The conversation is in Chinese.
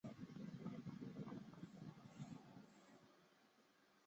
帕尔库。